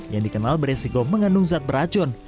yang dikenal beresiko mengandung zat beracun